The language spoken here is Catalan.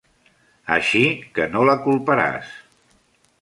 Així que no la culparàs.